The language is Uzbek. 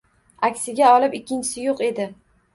Aksiga olib ikkinchisi yo‘q edi.